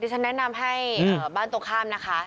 ฉันแนะนำให้บ้านตรงข้ามนะคะ